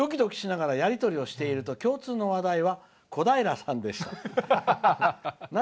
ドキドキしながらやり取りをすると共通の話題は小平さんでした。